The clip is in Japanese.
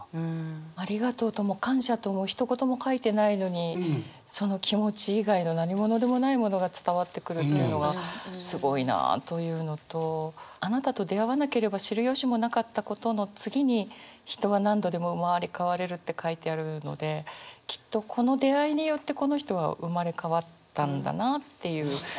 「ありがとう」とも「感謝」ともひと言も書いてないのにその気持ち以外の何物でもないものが伝わってくるっていうのがすごいなあというのと「あなたと出会わなければ知る由もなかったこと」の次に「人は何度でも生まれ変われる」って書いてあるのできっとこの出会いによってこの人は生まれ変わったんだなっていう。